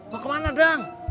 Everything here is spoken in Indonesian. mau ke mana dang